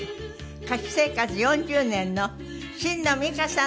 歌手生活４０年の神野美伽さんです。